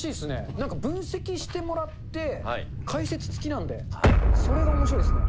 なんか分析してもらって、解説つきなんで、それがおもしろいですね。